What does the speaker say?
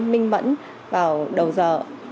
mình mẫn vào đầu giờ